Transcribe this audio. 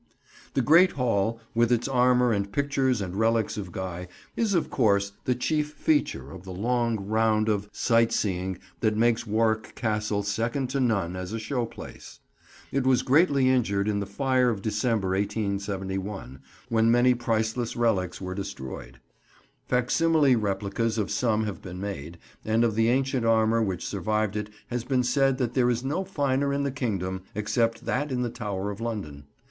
The Great Hall, with its armour and pictures and relics of Guy, is of course the chief feature of the long round of sight seeing that makes Warwick Castle second to none as a show place. It was greatly injured in the fire of December 1871, when many priceless relics were destroyed. Facsimile replicas of some have been made, and of the ancient armour which survived it has been said that there is no finer in the Kingdom, except that in the Tower of London.